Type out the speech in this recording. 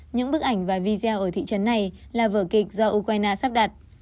những bức ảnh và video ở thị trấn này là vở kịch do ukraine sắp đặt